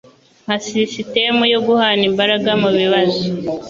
nka sisitemu yo guhana imbaraga mu bibazo